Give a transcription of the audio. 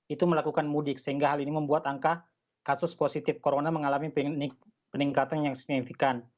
itu melakukan mudik sehingga hal ini membuat angka kasus positif corona mengalami peningkatan yang signifikan